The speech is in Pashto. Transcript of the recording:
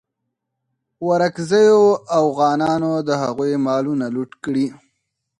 ورکزیو اوغانانو د هغوی مالونه لوټ کړي.